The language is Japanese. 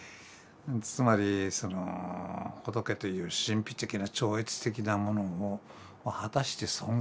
つまりその仏という神秘的な超越的なものを果たして存在するのか。